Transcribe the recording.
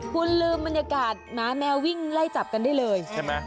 คุณลืมบรรยากาศหมาแมววิ่งไล่จับกันได้เลยใช่ไหม